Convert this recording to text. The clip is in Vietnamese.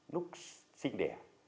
lúc sinh đẻ